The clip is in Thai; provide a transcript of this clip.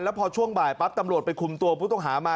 พอช่วงบ่ายปั๊บตำรวจไปคุมตัวผู้ต้องหามา